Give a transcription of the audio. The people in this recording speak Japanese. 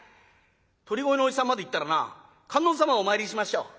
鳥越のおじさんまで行ったらな観音様をお参り済ませちゃおう。